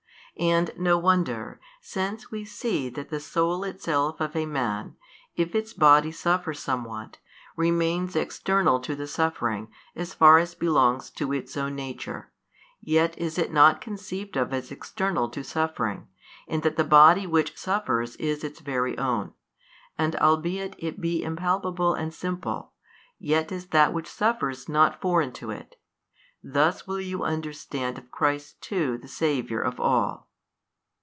And no wonder, since we see that the soul itself of a man, if its body suffer somewhat, remains external to the suffering as far as belongs to its own nature, yet is it not conceived of as external to suffering, in that the body which suffers is its very own: and albeit it be impalpable and simple, yet is that which suffers not foreign to it. Thus will you understand of Christ too the Saviour of all.